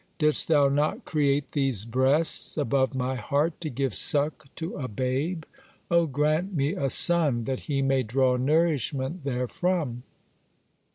Didst Thou not create these breasts above my heart to give suck to a babe? (9) O grant me a son, that he may draw nourishment therefrom.